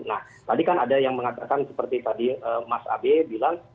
nah tadi kan ada yang mengatakan seperti tadi mas abe bilang